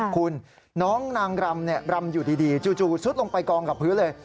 คุณน้องนางรำรำอยู่ดีจู่ซุดลงไปกองกับพื้นเลย